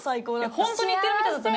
本当に行ってるみたいだったね。